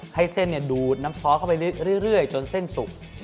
ให้เส้นดูดน้ำซอสเข้าไปเรื่อยจนเส้นสุก